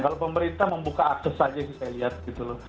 kalau pemerintah membuka akses saja sih saya lihat gitu loh